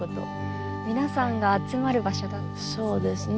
皆さんが集まる場所だったんですね。